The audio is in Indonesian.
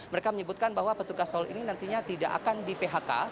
mereka menyebutkan bahwa petugas tol ini nantinya tidak akan di phk